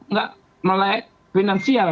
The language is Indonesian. nggak melek finansial